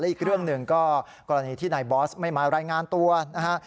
อีกเรื่องหนึ่งก็กรณีที่นายบอสไม่มารายงานตัวนะฮะ